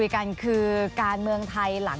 สวัสดีครับทุกคน